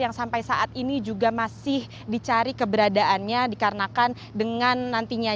yang sampai saat ini juga masih dicari keberadaannya dikarenakan dengan nantinya